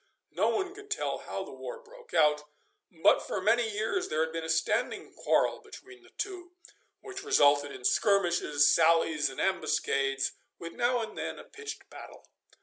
No one could tell how the war broke out, but for many years there had been a standing quarrel between the two, which resulted in skirmishes, sallies, and ambuscades, with now and then a pitched battle.